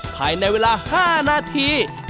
ภายในเวลา๕นาที